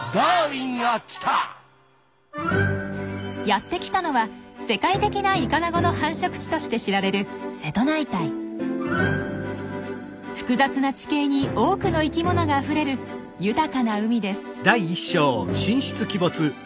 やってきたのは世界的なイカナゴの繁殖地として知られる複雑な地形に多くの生きものがあふれる豊かな海です。